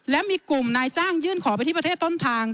และมีกลุ่มนายจ้างยื่นขอไปที่ประเทศต้นทาง